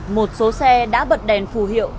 một số xe đã bật đèn phù hiệu